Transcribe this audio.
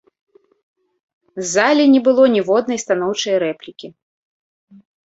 З залі не было ніводнай станоўчае рэплікі.